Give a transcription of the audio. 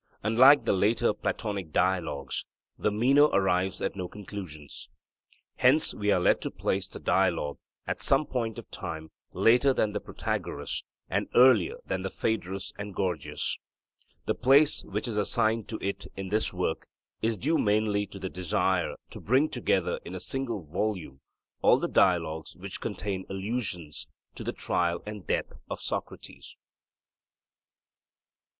Unlike the later Platonic Dialogues, the Meno arrives at no conclusion. Hence we are led to place the Dialogue at some point of time later than the Protagoras, and earlier than the Phaedrus and Gorgias. The place which is assigned to it in this work is due mainly to the desire to bring together in a single volume all the Dialogues which contain allusions to the trial and death of Socrates.